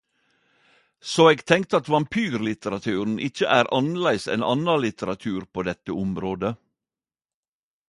Så eg tenker at vampyrlitteraturen ikkje er annleis enn anna litteratur på dette området.